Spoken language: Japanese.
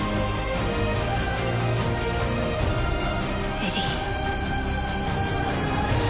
エリー。